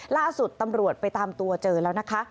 ล่าสุดตำรวจไปตามตัวเจอแล้วนะคะ